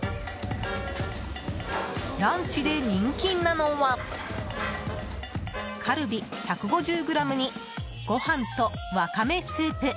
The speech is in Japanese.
ランチで人気なのはカルビ１５０ｇにご飯とわかめスープ